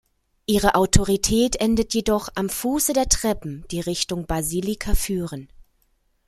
Ihre Autorität endet jedoch am Fuße der Treppen, die Richtung Basilika führen.